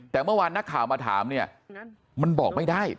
แต่เมื่อวานนักข่าวมาถามเนี่ยมันบอกไม่ได้